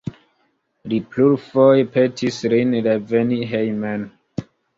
Li plurfoje petis lin reveni hejmen.